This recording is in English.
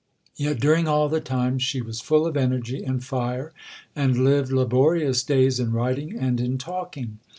Yet during all the time she was full of energy and fire, and lived laborious days in writing and in talking.